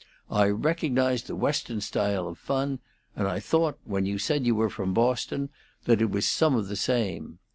I recognized the Western style of fun, and I thought, when you said you were from Boston, that it was some of the same.